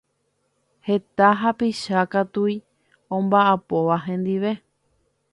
Heta hapicha katui omba'apóva hendive